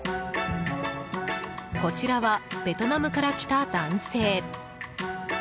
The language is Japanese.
こちらはベトナムから来た男性。